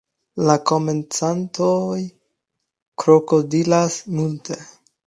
La komencantoj krokodilas multe.